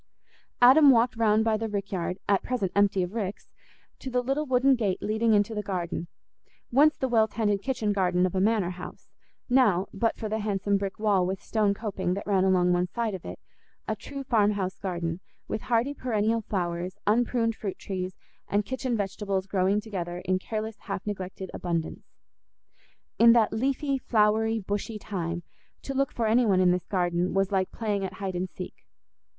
Adam walked round by the rick yard, at present empty of ricks, to the little wooden gate leading into the garden—once the well tended kitchen garden of a manor house; now, but for the handsome brick wall with stone coping that ran along one side of it, a true farmhouse garden, with hardy perennial flowers, unpruned fruit trees, and kitchen vegetables growing together in careless, half neglected abundance. In that leafy, flowery, bushy time, to look for any one in this garden was like playing at "hide and seek."